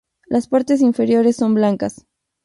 Las partes inferiores son blancas.